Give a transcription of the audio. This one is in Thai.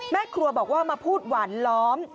แม่ครัวบอกว่ามาพูดหวานล้อม